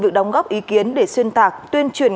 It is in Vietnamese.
được đóng góp ý kiến để xuyên tạc tuyên truyền